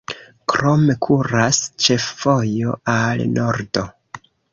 Krome kuras ĉefvojo al nordo.